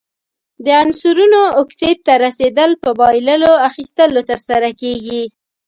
د عنصرونو اوکتیت ته رسیدل په بایللو، اخیستلو ترسره کیږي.